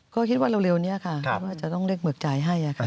ก็คิดว่าเราร่วมเร็วว่าจะต้องเรียกเมือกจ่ายให้ค่ะ